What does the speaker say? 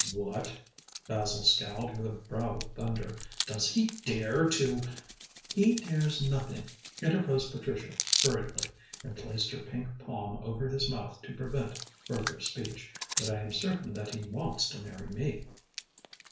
"What!" Basil scowled with a brow of thunder. "Does he dare to " "He dares nothing," interposed Patricia hurriedly, and placed her pink palm over his mouth to prevent further speech. "But I am certain that he wants to marry me."